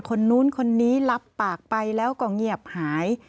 คนนู้นคนนี้รับปากไปแล้วก็เงียบหาย